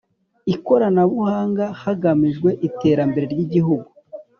Ikoranabuhanga hagamijwe iterambere ry’ igihugu